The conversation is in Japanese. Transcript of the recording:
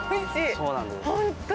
そうなんです。